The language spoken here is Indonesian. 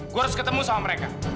gue harus ketemu sama mereka